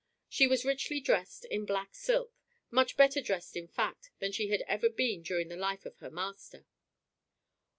She was richly dressed in black silk, much better dressed in fact than she had ever been during the life of her master.